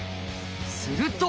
すると。